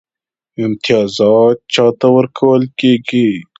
امتیازات چا ته ورکول کیږي؟